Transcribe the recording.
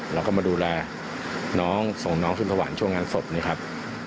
แล้วก็มาดูแลน้องส่งน้องขึ้นสวรรค์ช่วงงานศพนะครับ